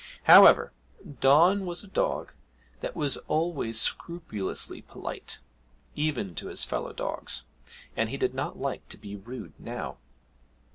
However, Don was a dog that was always scrupulously polite, even to his fellow dogs, and he did not like to be rude now.